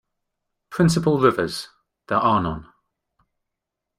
Principal rivers—there are none.